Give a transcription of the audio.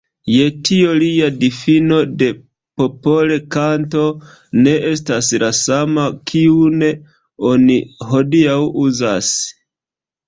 Je tio lia difino de popolkanto ne estas la sama, kiun oni hodiaŭ uzas.